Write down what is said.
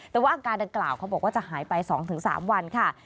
แต่ว่าอาการดังกล่าวเขาบอกว่าจะหายไป๒๓วันค่ะ